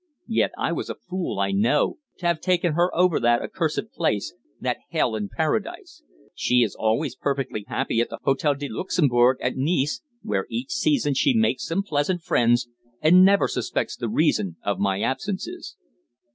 "Yet I was a fool, I know, to have taken her over that accursed place that hell in paradise. She is always perfectly happy at the Hôtel de Luxembourg at Nice, where each season she makes some pleasant friends, and never suspects the reason of my absences."